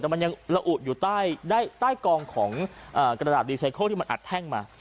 แต่มันยังละอุดอยู่ใต้ได้ใต้กองของอ่ากระดาษที่มันอัดแท่งมา